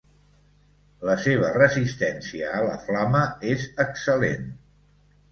La seva resistència a la flama és excel·lent.